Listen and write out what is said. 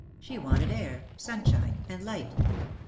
She wanted air, sunshine and light.